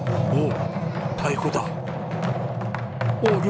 おお！